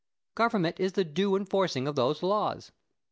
Government is the due enforcing of those laws.